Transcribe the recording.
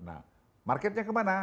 nah marketnya kemana